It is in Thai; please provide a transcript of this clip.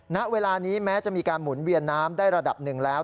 ณเวลานี้แม้จะมีการหมุนเวียนน้ำได้ระดับหนึ่งแล้ว